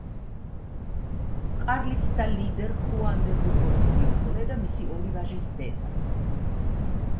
კარლისტთა ლიდერ ხუან დე ბურბონის მეუღლე დე მისი ორი ვაჟის დედა.